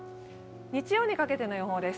日曜にかけての予報です。